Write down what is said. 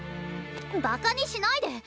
ばかにしないで。